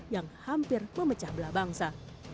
yang hampir memecah belah bangsa